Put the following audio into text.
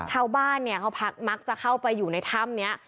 ชาวบ้านเนี่ยเขาพักมักจะเข้าไปอยู่ในถ้ำนี้